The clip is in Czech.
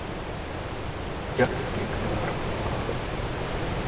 Jak pěkná rovnováha!